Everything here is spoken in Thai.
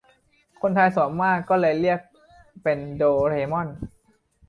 คนไทยส่วนมากก็เลยเรียกเป็นโดเรมอน